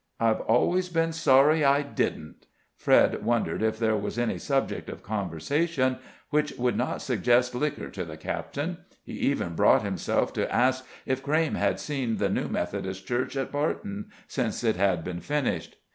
I've always been sorry I didn't." Fred wondered if there was any subject of conversation which would not suggest liquor to the captain; he even brought himself to ask if Crayme had seen the new Methodist Church at Barton since it had been finished.